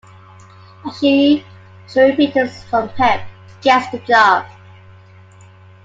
Ashe, showing Peters some pep, gets the job.